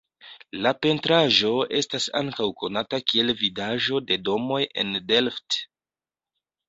La pentraĵo estas ankaŭ konata kiel Vidaĵo de domoj en Delft.